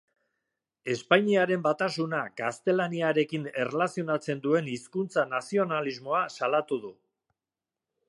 Espainiaren batasuna gaztelaniarekin erlazionatzen duen hizkuntza-nazionalismoa salatu du.